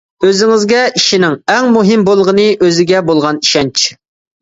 ئۆزىڭىزگە ئىشىنىڭ ئەڭ مۇھىم بولغىنى ئۆزىگە بولغان ئىشەنچ.